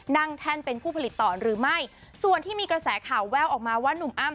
แท่นเป็นผู้ผลิตต่อหรือไม่ส่วนที่มีกระแสข่าวแววออกมาว่านุ่มอ้ำ